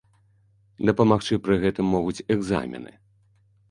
Дапамагчы пры гэтым могуць экзамены.